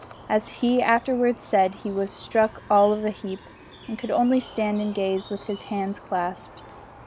As he afterwards said, he was struck all of a heap, and could only stand and gaze with his hands clasped.